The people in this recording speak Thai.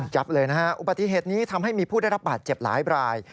จับเลยนะฮะอุบัติเหตุนี้ทำให้มีผู้ได้รับบาดเจ็บหลายราย